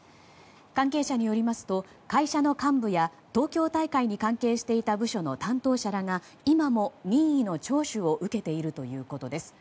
関係者によりますと会社の幹部や東京大会に関係していた部署の担当者らが今も任意の聴取を受けているということです。